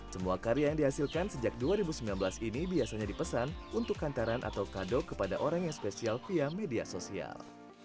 semua karya yang dihasilkan sejak dua ribu sembilan belas ini biasanya dipesan untuk kantaran atau kado kepada orang yang spesial via media sosial